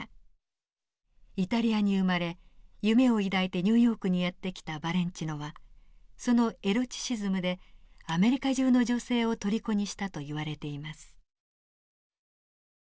イタリアに生まれ夢を抱いてニューヨークにやって来たバレンチノはそのエロチシズムでアメリカ中の女性をとりこにしたといわれています。